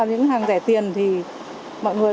những hàng rẻ tiền thì mọi người